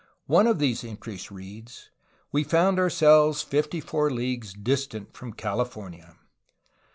One of these entries reads : "We found ourselves fifty four leagues distant from Cali fornia."